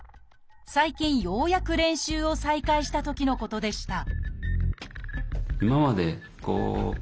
最近ようやく練習を再開したときのことでした